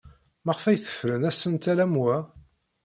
Maɣef ay tefren asentel am wa?